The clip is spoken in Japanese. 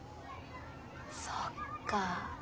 そっか。